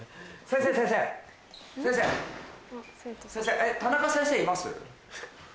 先生タナカ先生います？